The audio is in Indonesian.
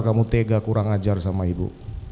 kamu tega kurang ajar sama ibu